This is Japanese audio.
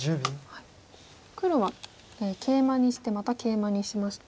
黒はケイマにしてまたケイマにしまして。